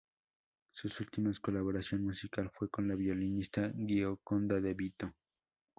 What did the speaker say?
Su últimas colaboración musical fue con la violinista Gioconda de Vito.